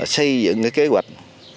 xây dựng kế hoạch